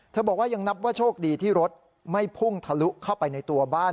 บอกว่ายังนับว่าโชคดีที่รถไม่พุ่งทะลุเข้าไปในตัวบ้าน